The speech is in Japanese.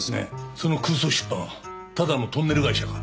その空想出版ただのトンネル会社か？